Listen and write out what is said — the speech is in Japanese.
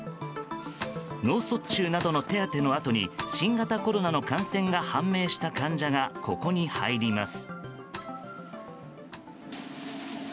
脳卒中などの手当てのあとに新型コロナの感染が判明した患者がここに入ります。